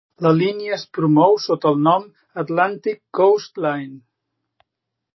La línia es promou sota el nom "Atlantic Coast Line".